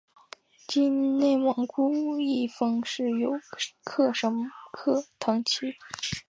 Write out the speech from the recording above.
今内蒙古赤峰市有克什克腾旗。